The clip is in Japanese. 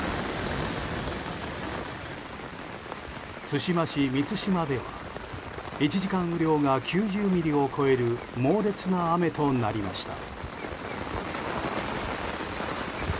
対馬市美津島では１時間雨量が９０ミリを超える猛烈な雨となりました。